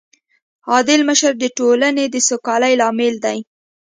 عادل مشر د ټولنې د سوکالۍ لامل دی.